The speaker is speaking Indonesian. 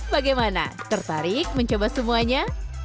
bagaimana tertarik mencoba semuanya